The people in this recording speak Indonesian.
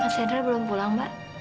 mas hendra belum pulang mbak